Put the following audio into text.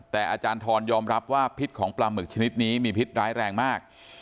แต่อาจารย์ทรยอมรับว่าพิษของปลาหมึกชนิดนี้มีพิษร้ายแรงมาก